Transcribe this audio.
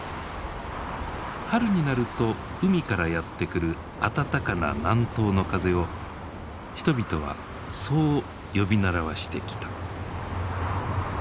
春になると海からやって来る暖かな南東の風を人々はそう呼び習わしてきた。